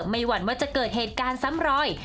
หวั่นว่าจะเกิดเหตุการณ์ซ้ำรอย